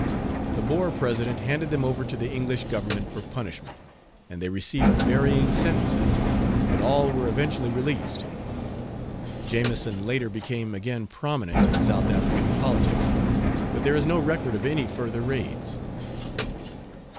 The Boer president handed them over to the English Government for punishment, and they received varying sentences, but all were eventually released. Jameson, later, became again prominent in South African politics, but there is no record of any further raids.